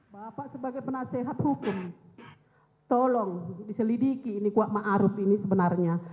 bapak sebagai penasehat hukum tolong diselidiki ini kuatmaruf ini sebenarnya